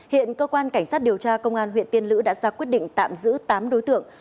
hiện cơ quan cảnh sát điều tra công an huyện tiên lữ đã ra quyết định tạm giữ tám đối tượng